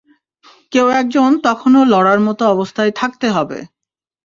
কেউ একজন তখনও লড়ার মতো অবস্থায় থাকতে হবে।